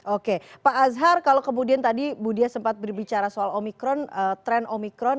oke pak azhar kalau kemudian tadi bu dia sempat berbicara soal omikron tren omikron